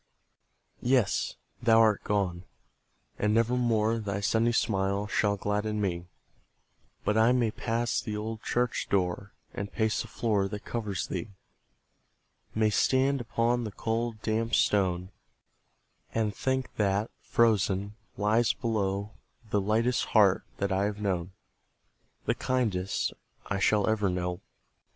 Yes, thou art gone! and never more Thy sunny smile shall gladden me; But I may pass the old church door, And pace the floor that covers thee, May stand upon the cold, damp stone, And think that, frozen, lies below The lightest heart that I have known, The kindest I shall ever know.